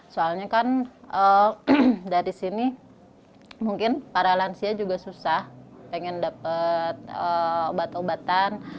soalnya kan dari sini mungkin para lansia juga susah pengen dapat obat obatan